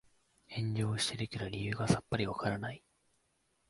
炎上してるけど理由がさっぱりわからない